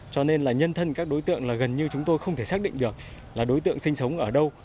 cho nên là nhân thân các đối tượng là gần như chúng tôi không thể xác định được là đối tượng sinh sống ở đâu